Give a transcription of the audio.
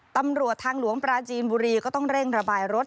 ตำรวจทางหลวงปราจีนบุรีก็ต้องเร่งระบายรถ